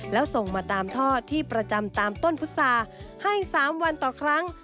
แล้วส่งมาตามท่อที่ประจำตามต้นพุษาให้๓วันต่อครั้ง